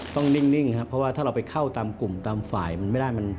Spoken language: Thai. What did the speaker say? นิ่งครับเพราะว่าถ้าเราไปเข้าตามกลุ่มตามฝ่ายมันไม่ได้